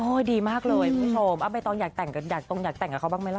โอ้ยดีมากเลยโอ้ยไม่ต้องอยากแต่งกับเขาบ้างไหมล่ะ